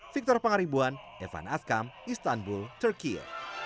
victor pangaribuan evan askam istanbul turkiye